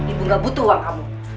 ibu gak butuh uang kamu